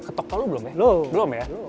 ketok telur belum ya belum belum ya